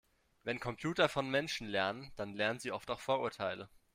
Wenn Computer von Menschen lernen, dann lernen sie oft auch Vorurteile.